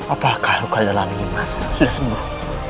apakah luka dalam ini masih sudah sembuh